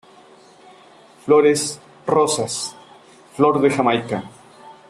Flores: rosas, flor de jamaica.